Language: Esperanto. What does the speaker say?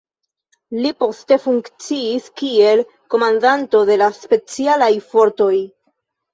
Li poste funkciis kiel komandanto de la specialaj fortoj.